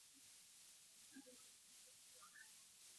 其电影作品曾多次获奖。